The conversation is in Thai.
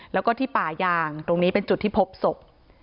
แล้วก็ที่ป่ายางตรงนี้เป็นจุดที่พบศพ